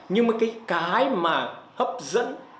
nhưng mà cái cái mà hấp dẫn